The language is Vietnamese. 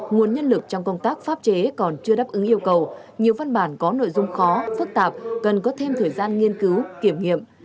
nguồn nhân lực trong công tác pháp chế còn chưa đáp ứng yêu cầu nhiều văn bản có nội dung khó phức tạp cần có thêm thời gian nghiên cứu kiểm nghiệm